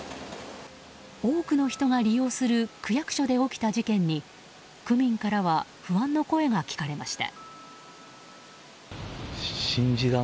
多くの人が利用する区役所で起きた事件に区民からは不安の声が聞かれました。